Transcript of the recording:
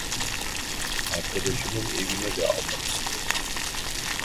Arkadaşımın evine de almak istiyorum